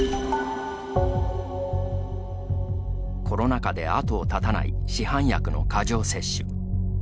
コロナ禍で後を絶たない市販薬の過剰摂取。